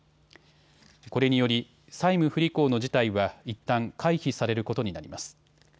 これにより債務不履行の事態はいったん回避されることになります。